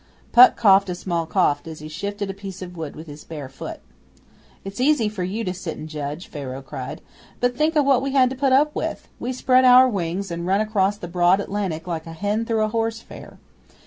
Puck coughed a small cough as he shifted a piece of wood with his bare foot. 'It's easy for you to sit and judge,' Pharaoh cried. 'But think o' what we had to put up with! We spread our wings and run across the broad Atlantic like a hen through a horse fair.